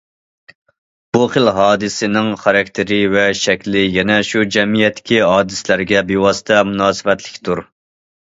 بۇ خىل ھادىسىنىڭ خاراكتېرى ۋە شەكلى يەنە شۇ جەمئىيەتتىكى ھادىسىلەرگە بىۋاسىتە مۇناسىۋەتلىكتۇر.